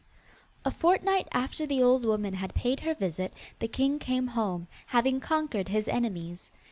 A fortnight after the old woman had paid her visit, the king came home, having conquered his enemies.